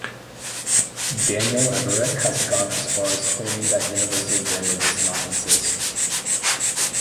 Daniel Everett has gone as far as claiming that universal grammar does not exist.